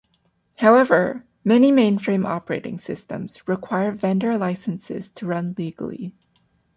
However, many mainframe operating systems require vendor licenses to run legally.